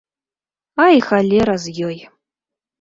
А і халера з ёй.